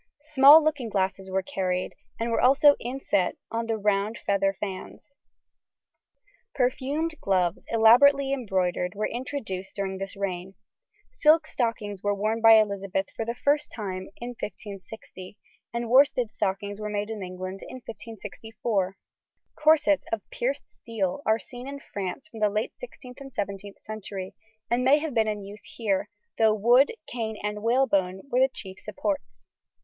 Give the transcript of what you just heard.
Small looking glasses were carried, and were also inset on the round feather fans. Perfumed gloves, elaborately embroidered, were introduced during this reign. Silk stockings were worn by Elizabeth for the first time in 1560, and worsted stockings were made in England in 1564. Corsets of pierced steel are seen in France from the late 16th and 17th century, and may have been in use here, though wood, cane, and whalebone were the chief supports.